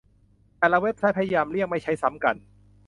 แต่ละเว็บไซต์พยายามเลี่ยงไม่ใช้ซ้ำกัน